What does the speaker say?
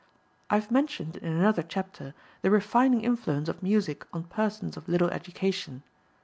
"I have mentioned in another chapter the refining influence of music on persons of little education.